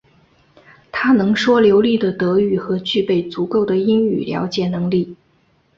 他能说流利的德语和具备足够的英语了解能力。